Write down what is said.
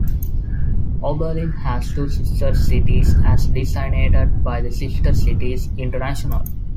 Oberlin has two sister cities, as designated by the Sister Cities International.